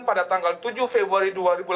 pada tanggal tujuh februari dua ribu delapan belas